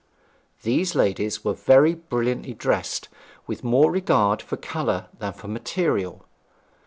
These ladies were very brilliantly dressed, with more regard for colour than for material.